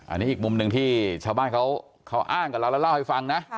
อันนี้อีกมุมหนึ่งที่ชาวบ้านเขาอ้างกับเราแล้วเล่าให้ฟังนะ